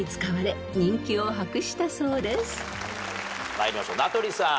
参りましょう名取さん。